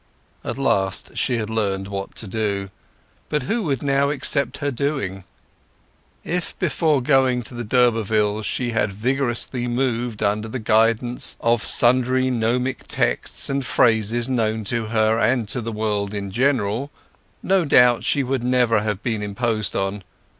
At last she had learned what to do; but who would now accept her doing? If before going to the d'Urbervilles' she had vigorously moved under the guidance of sundry gnomic texts and phrases known to her and to the world in general, no doubt she would never have been imposed on.